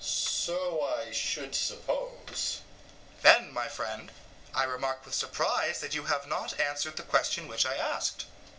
EUTHYPHRO: So I should suppose. SOCRATES: Then, my friend, I remark with surprise that you have not answered the question which I asked.